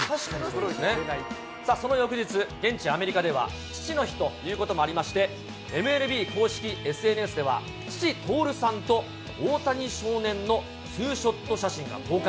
その翌日、現地アメリカでは、父の日ということもありまして、ＭＬＢ公式ＳＮＳでは、父、徹さんと大谷少年のツーショット写真が公開。